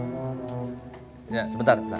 bapaknya febrin mau bicara sama febrin